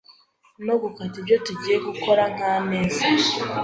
no gukata ibyo tugiye gukora nk’ameza